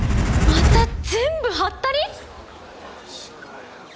また全部ハッタリ？